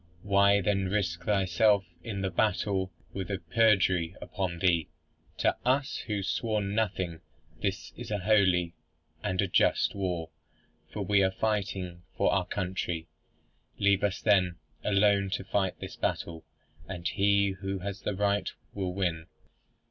Why then risk thyself in the battle with a perjury upon thee? To us, who have sworn nothing, this is a holy and a just war, for we are fighting for our country. Leave us then, alone to fight this battle, and he who has the right will win."